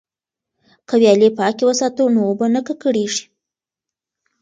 که ویالې پاکې وساتو نو اوبه نه ککړیږي.